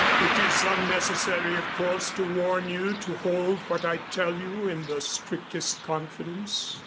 "It is unnecessary of course to warn you to hold what I tell you in the strictest confidence."